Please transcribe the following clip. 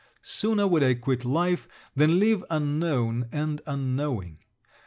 Sooner would I quit life, than live unknown and unknowing.